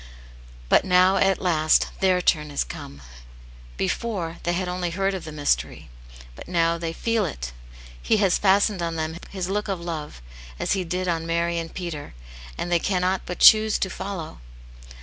" But now, at last, their turn is come. Before, they had only heard of the mystery, but now they feel it. He has fastened on them His look of love, as He did on Mary and Peter, and they cannot but choose to follow.